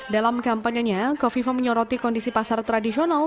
dalam kampanyenya kofi fah menyoroti kondisi pasar tradisional